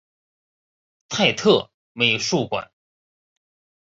泰特美术馆。